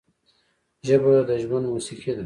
ژبه د ژوند موسیقي ده